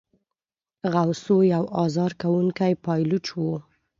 غوثو یو آزار کوونکی پایلوچ وو.